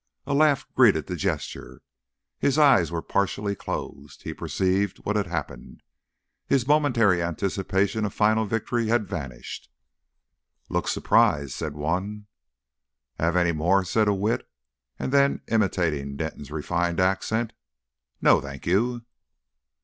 A laugh greeted the gesture. His eye was partially closed. He perceived what had happened. His momentary anticipation of a final victory had vanished. "Looks surprised," said some one. "'Ave any more?" said a wit; and then, imitating Denton's refined accent. "No, thank you."